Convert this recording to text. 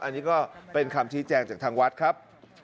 อันนี้ก็เป็นคำชี้แจงจากทางวัดครับ